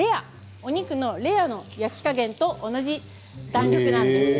お肉のレアの焼き加減と同じ弾力なんです。